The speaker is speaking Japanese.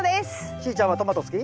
しーちゃんはトマト好き？